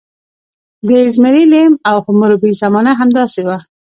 د زیمري لیم او حموربي زمانه همداسې وه.